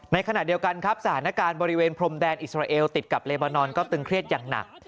ในขณะเดียวกันครับสถานการณ์บริเวณพรมแดนอิสราเอลติดกับเลบานอนก็ตึงเครียดอย่างหนัก